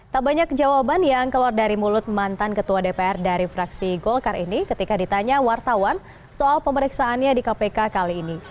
tak banyak jawaban yang keluar dari mulut mantan ketua dpr dari fraksi golkar ini ketika ditanya wartawan soal pemeriksaannya di kpk kali ini